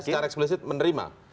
sudah secara eksplisit menerima